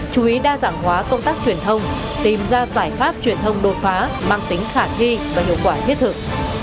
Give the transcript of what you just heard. chú ý đa dạng hóa công tác truyền thông tìm ra giải pháp truyền thông đột phá mang tính khả thi và hiệu quả thiết thực